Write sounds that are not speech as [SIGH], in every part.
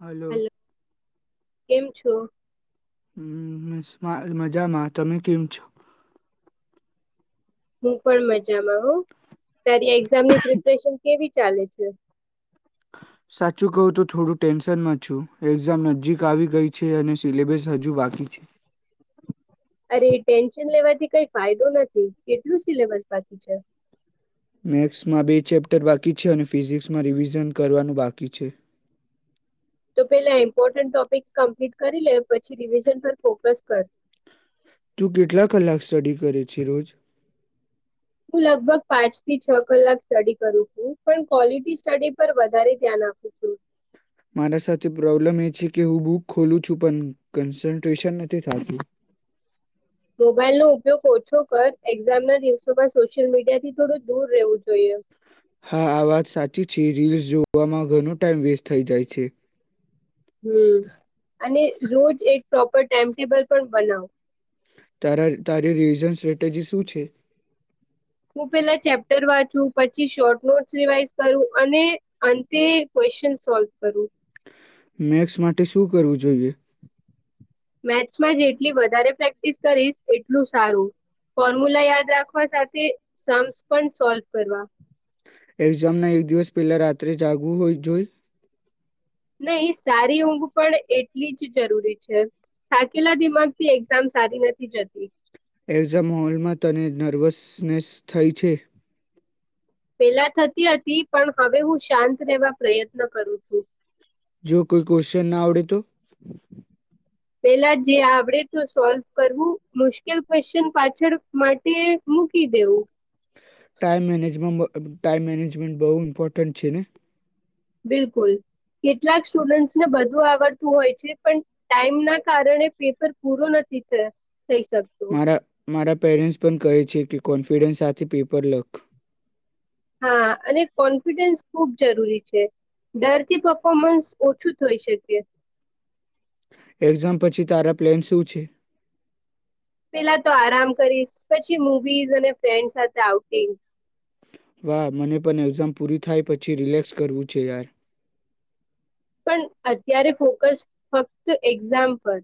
હાલો hello કેમ છો હ મજામાં તમે કેમ છો? હું પણ મજામાં હું ત્યારે એક્ઝામની પ્રિપરેશન કેવી ચાલે છે સાચું કવ તો થોડું ટેન્શન માં છું એક્ઝામ નજીક આવી ગઈ છે અને સિલેબસ હજુ બાકી છે અરે એ ટેન્શન લેવાથી કઈ ફાયદો નથી કેટલું સિલેબસ બાકી છે મેથસમાં બે ચેપ્ટર બાકી છે અને ફિઝિક્સમાં રિવિઝન કરવાનું બાકી છે તો પેલા ઇમ્પોર્ટન્ટ ટોપિક્સ કમ્પ્લીટ કરી લે પછી રિવિઝન પર ફોકસ કર તું કેટલા કલાક સ્ટડી કરે છે રોજ હું લગભગ પાંચ થી છ કલાક સ્ટડી કરું છું પણ ક્વોલિટી સ્ટડી પર વધારે ધ્યાન આપું છું મારા સાથે પ્રોબ્લેમ એ છે કે હું બુક ખોલું છું પણ કન્સન્ટ્રેશન નથી થતું મોબાઈલ નો ઉપયોગ ઓછો કર એક્ઝામ ના દિવસોમાં સોશિયલ મીડિયા થી થોડું દૂર રહેવું જોઈએ હા આ વાત સાચી છે રીલ્સ જોવામાં ઘણ ટાઈમ વેસ્ટ થઈ જાય છે હમ અને રોજ એક પ્રોપર ટાઈમટેબલ પણ બનાવ તારા તારી રિવઝન સ્ટ્રેટેજી શું છે હું પેલા ચેપ્ટર વાંચું પછી શોર્ટ નોટ્સ રિવાઈઝ કરું અને અંતે ક્વેશચન સોલ્વ કરું મેક્સ માટે શું કરવું જોઈએ મેથ્સમાં જેટલી વધારે પ્રેક્ટિસ કરીશ એટલું સારું ફોર્મ્યુલા યાદ રાખવા સાથે સમસ પણ સોલ્વ કરવા એક્ઝામ ના એક દિવસ પેલા રાત્રે જાગુ હોય જોઈ નહી સારી ઊંઘ પણ એટલી જ જરૂરી છે થાકેલા દિમાગ થી એક્ઝામ સારી નથી જતી એક્ઝામ હોલમાં તને નર્વસનેસ થઈ છે પેલા થતી હતી પણ હવે હું શાંત રહેવા પ્રયત્ન કરું છું જો કોઈ ક્વેશ્ચન ના આવડે તો પેલા જે આવડે તો સોલ્વ કરવું મુશ્કેલ ક્વેશ્ચન પાછળ માટે મૂકી દેવું ટાઈમ મેનેજમે ટાઈમ મેનેજમેન્ટ બહુ ઇમ્પોર્ટન્ટ છે ને બિલકુલ કેટલાક સ્ટુડન્ટસને બધું આવડતું હોય છે પણ ટાઈમ ના કારણે પેપર પૂરો નથી થયો મારા મારા પેરેન્ટસ પણ કહે છે છે કે કોન્ફિડન્સ સાથે પેપર લક હા અને કોન્ફિડન્સ ખૂબ જરૂરી છે ડરથી પફોર્મન્સ ઓછું થઈ શકે એક્ઝામ પછી તારા પ્લેન શું છે પેલા તો આરામ કરીશ પછી મવીઝ અને ફ્રેન્ડ સાથે આઉટીંગ વાહ મને પણ એક્ઝામ પૂરી થાય પછી રિલેક્સ કરવું છે યાર પણ અત્યારે ફોકસ ફક્ત એક્ઝામ પર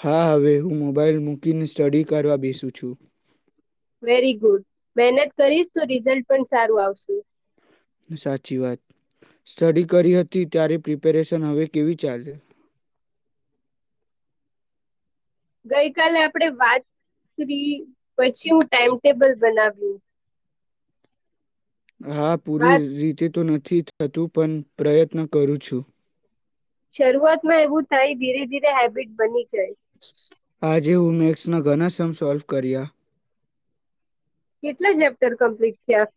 હા હવે હું મોબાાઈલ મૂકીને સ્ટડી કરવા બેસું છું વેરી ગુડ મહેનત કરીશ તો રિઝલ્ટ પણ સારું આવશુ સાચી વાત સ્ટડી કરી હતી ત્યારે પ્રિપેરેશન હવે કેવી ચાલે ગઈકાલે આપણેે વાત કરી પછી હું ટાઈમટેબલ બનાવ્યું હા વા પૂરી રીતે તો નથી થી થતું પણ પ્રયત્ન કરું છું શરૂઆતમાં એવું થાય ધીરે ધીરે હેબિટ બની જાય હા જે હું મેક્સ ના ઘણા સમ સોલ્વ કર્યા કેટલા ચેપ્ટર કમ્પ્લીટ થયા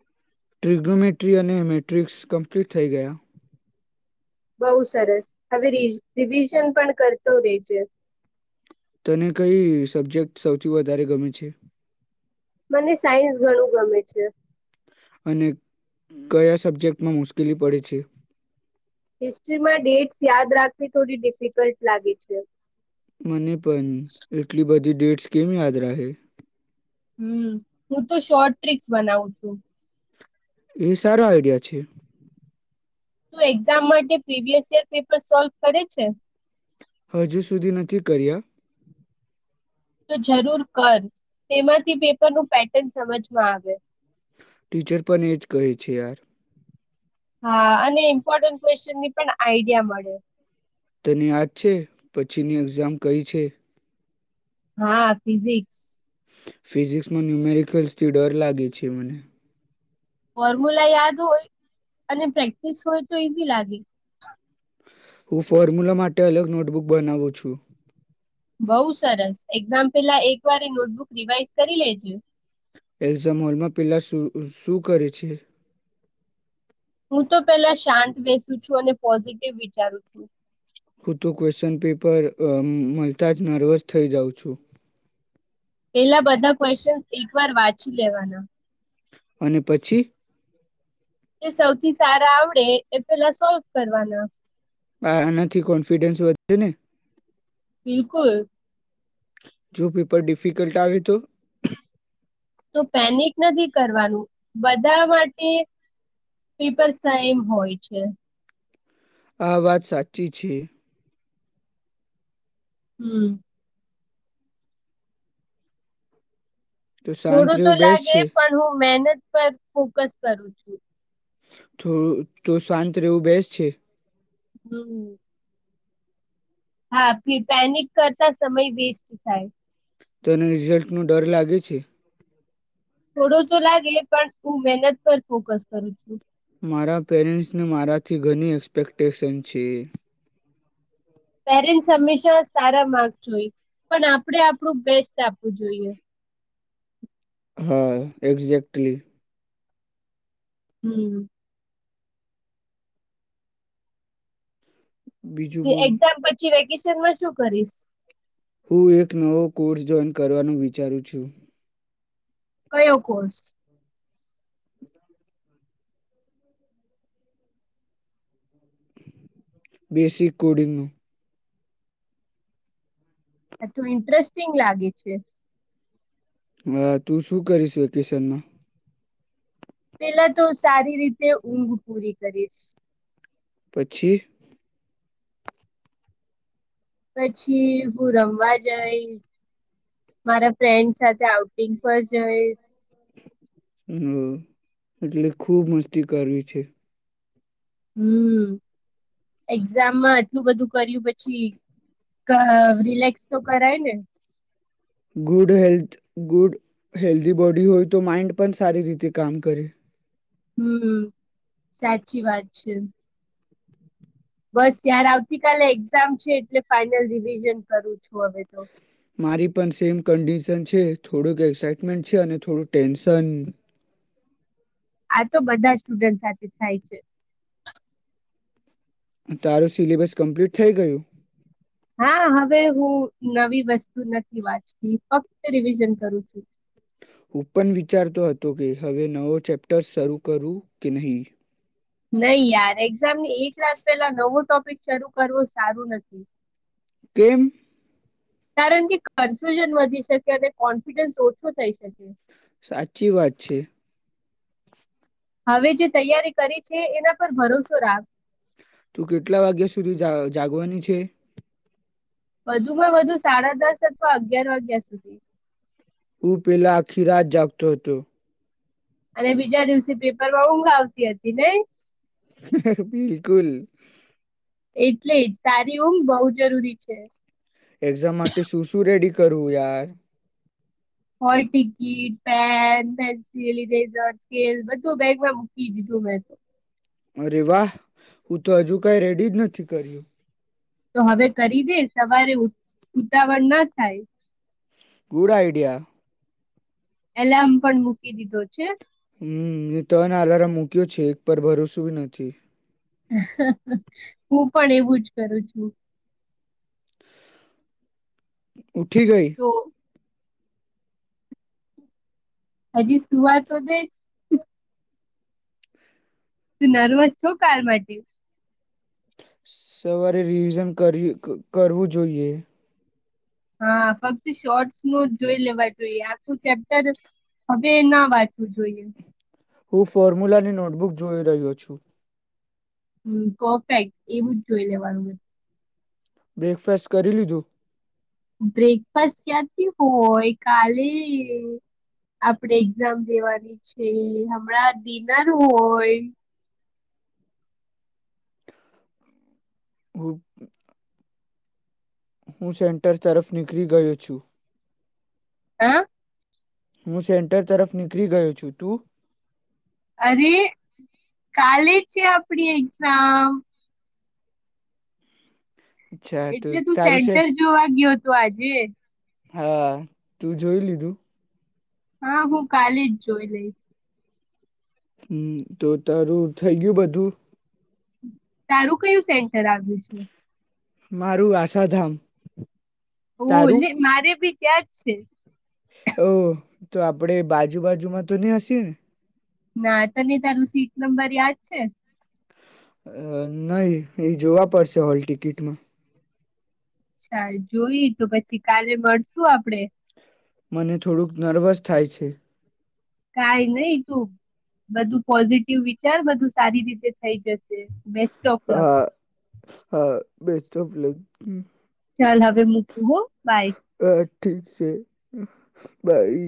ટ્રીગનોમેટ્રી અને મેટ્રિક્સ કમ્પ્લીટ થઇ ગયા બોહ સરસ હવે ર રિવિઝન પણ કરતો રેજે તને કઈ સબ્જેક્ટ સૌથી વધારે ગમે છે મને સાયન્સ ઘણું ગમે છે અને કયા સબ્જેક્ટમાં મુશ્કેલી પડે છે હિસ્ટ્રીમાં ડેટ્સ યાદ રાખવી થોડી ડિફિકલ્ટ લાગે છે મને પણ એટલી બધી ધી ડેટ્સ કેમ યાદ રહે હમ હું તો શોર્ટ ટ્રિક્સ બનાવું છું એ સારો આઈડિયા છે તું એક્ઝામ માટે પ્રીિવિયસ યર પેપર સોલ્વ કરે છે હજુ સુધી નથી કર્યા તો જરૂર કર તેમાંથી પેપરનું પેટર્ન સમજમાં આવે ટીચર પણ એજ કહે છે યાર હા અને ઇમ્પોર્ટન્ટ ક્વેશ્ચનની પણ આઈડિયા મળે તને યાદ છે, પછીની એક્ઝામ કઈ છે? હા ફિઝિક્સ. ફિઝિક્સમાં ન્યુમેરિકલ્સ થી ડર લાગે છે મને. ફોર્મ્યુલા યાદ હોય, અને પ્રેક્ટિસ હોય તો ઈઝી લાગે. હું ફોર્મ્યુલા માટે અલગ નોટબુક બનાવું છું. બઉુ સરસ એક્ઝામ પેલા એક વાર નોટબુક રિવાઈઝ કરી લેજો. એલ્ઝમ હોલમાં પેલા શું કરે છે? હું તો પહેલા શાંત બેસું છું અને પોઝિટિવ વિચારું છું. હું તો ક્વેશ્ચન પેપર મળતા જ નર્વસ થઈ જાઉં છું. પેલા બધા ક્વેશ્ચન એક વાર વાંચી લેવાના. અને પછી? સૌથી સારા આવડે એ પેલા સોલ્વ કરવાના [INAUDIBLE] બિલકુલ. જો પેપર ડિફિકલ્ટ આવે તો. તો પેનિક નથી કરવાનું બધા માટે પેપર [UNINTELLIGIBLE] હોય છે. આ વાત સાચી છે. હમ. તો શાંત થોડું તો રહેવું બેસ્ટ લાગે છે. પણ હું મહેનત પર ફોકસ કરું છું. થોડું તો શાંત રહેવું બેસ છે. હમ. હા પેનિક કરતા સમય વેસ્ટ થાય. તોને રિઝલ્ટનો ડર લાગે છે. થોડો તો લાગે પણ હું મહેનત પર ફોકસ કરું છું. મારા પેરેન્ટ્સને મારાથી ઘણી એક્સ્પેક્ટેશન છે. પેરેન્ટ્સ હંમેશા સારા માર્ક જોઈ પણ આપણે આપણું બેસ્ટ આપવું જોઈએ. હા એક્ઝેક્ટલી. હમ. બીજું બોલ એક્ઝામ પછી વેકેશનમાં શું કરીશ. હું એક નવો કોર્સ જોઈન કરવાનું વિચારું છું. કયો કોર્સ બેસી [UNINTELLIGIBLE] [UNINTELLIGIBLE] ઇન્ટરેસ્ટિંગ લાગે છે. [UNINTELLIGIBLE] તું શું કરીશ [INAUDIBLE] પેલા તો સારી રીતે ઊંઘ પૂરી કરીશ. પછી પછી હું રમવા જઈશ મારા ફ્રેન્ડ સાથે આઉટિંગ પર જઈશ. હમ એટલે ખુબ મસ્તી કરવી છે. હમ [UNINTELLIGIBLE] આટલું બધું કર્યું પછી [UNINTELLIGIBLE] તો કરાય ને good health good healthy body હોય તો માઈન્ડ પણ સારી રીતે કામ કરે. હમ સાચી વાત છે. બસ યાર આવતી કલે [UNINTELLIGIBLE] છે, એટલે ફાાઈનલ રિવિઝન કરું છું હવે તો મારી પણ સેમ કન્ડિશન છે, થોડુંક એક્સાઈટમેન્ટ છે, અને થોડુંક ટેન્શન. આ તો બધા સ્ટુડન્ટ સાથે થાય છે. તારું સિલેબસ કમ્પ્લીટ થઇ ગયું. હા હવે હું નવી વસ્તુ નથી વાંચતી ફક્ત રિવિઝન કરું છું. હું પણ વિચારતો હતો કે હવે નવો ચેપ્ટર શરૂ કરું કે નહીં. નહી યાર એક્ઝામની એક રાત પહેલા નવો ટોપિક શરૂ કરવો સારું નથી. કેમ કારણ કે કન્ફ્યુઝન વધી શકે અને કોન્ફિડન્સ ઓછો થઈ શકે. સાચી વાત છે. હવે જે તૈયારી કરી છે, એના પર ભરોસો રાગ તું કેટલા વાગ્યા સુધી જાગવાની છે. વધુમાં વધુ સાડા દસ અથવા અગિયાર વાગ્યા સુધી હું પેલા આખી રાત જાગતો હતો. અને બીજા દિવસે પેપરમાં ઊંઘ આવતી હતી ને. બિલકુલ. એટલે જ સારી ઊમ બહુ જરૂરી છે. એક્ઝામ માટે શું શું રેડી કરું યાર? Hall ticket pen pencil eraser scale બધું બેગમાં મૂકી દીધું મેં તો. અરે વાહ, હું તો હજુ કઈ રેડી જ નથી કર્યું. તો હવે કરી દે સવારે ઉતાવળ ના થાય. Good idea. એલાર્મ પણ મૂકી દીધો છે. હમ એ ત્રને આલારમ મૂક્યો છે એક પર ભરોસું નથી. હું પણ એવું જ કરું છું. ઉઠી ગઈ. તો હજી સુઆ તો છે જ. તું નર્વસ છો કાર માટે. સવારે રિવિઝન કરવું જોઈએ. હા ફક્ત શોર્ટસ નો જોઈ લેવા જોઈએ આખું ચેપ્ટર, હવે ના વાંચવું જોઈએ. હું ફોર્મ્યુલાની નોટબુક જોઈ રહ્યો છું. હ કોફેક્ટ એવું જ જોઈ લેવાનું છે. બ્રેકફાસ્ટ કરી લીધું? બ્રેકફાસસ્ટ ક્યાથી? હોય કાલે આપડે એક્ઝામ દેવાની છે હમણાં ડિનર હોય. હબ. હું સેન્ટર તરફ નીકળી ગયો છું. આ? હું સેન્ટર તરફ નીકળી ગયો છું તું? અરે. કલેજ આપડી એક્સામ. અચ્છા તો એટલે તું તારું છે સેન્ટર જોવા ગયો હતો આજે. હા, તું જોઈ લીધું? હા હું કાલે જ જોઈ લઈશ. હમ તો તારું થઇ ગયું બધું? તારું કયું સેન્ટર આવ્યું છે? મારું આશાધામ. ઓ તારું મારે ભી ક્યાર છે ઓ તો આપડે બાજુ બાજુમાં તો ન્યાં સે. ના તને તારું સીટ નંબર યાદ છે. અ નહી એ જોવા પડશે હોલ ટિકિટમાં. અચ્છા જોઈ તો પછી કાલે મળશુ આપડે. મને થોડુંક નર્વસ થાય છે. કઈ નઈ તું બધું પોઝિટિવ વિચાર બધું સારી રીતે થઈ જશે બે હા હા બેસ્ટ ઓફગ ચાલ હવે મૂકવું હો. બાય હ ઠીક છે. બાય